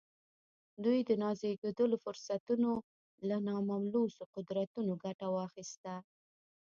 دوی د نازېږېدلو فرصتونو له ناملموسو قدرتونو ګټه واخيسته.